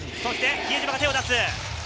比江島が手を出す。